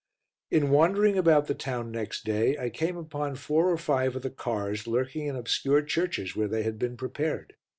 In wandering about the town next day, I came upon four or five of the cars lurking in obscure churches where they had been prepared.